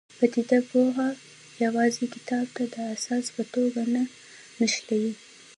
پدیده پوه یوازې کتاب ته د اساس په توګه نه نښلي.